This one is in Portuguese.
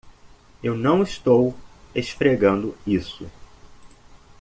Eu não estou esfregando isso.